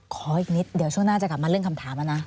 ขออีกนิดเดี๋ยวช่วงหน้าจะกลับมาเรื่องคำถามแล้วนะ